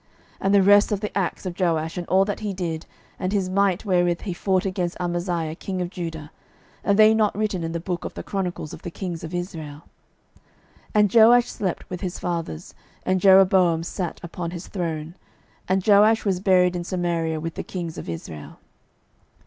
12:013:012 And the rest of the acts of Joash, and all that he did, and his might wherewith he fought against Amaziah king of Judah, are they not written in the book of the chronicles of the kings of Israel? 12:013:013 And Joash slept with his fathers; and Jeroboam sat upon his throne: and Joash was buried in Samaria with the kings of Israel.